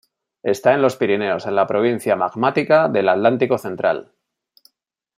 Está en los Pirineos, en la Provincia magmática del Atlántico Central.